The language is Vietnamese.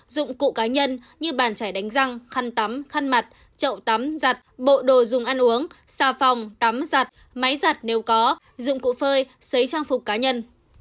dụng cụ cá nhân như bàn chải đánh răng khăn tắm khăn mặt chậu tắm giặt bộ đồ dùng ăn uống xà phòng tắm giặt máy giặt nếu có dụng cụ phơi xấy trang phục cá nhân